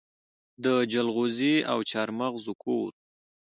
د جلغوزي او چارمغز کور.